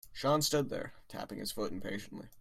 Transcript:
Sean stood there tapping his foot impatiently.